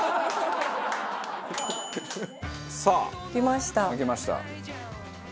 さあ焼けました。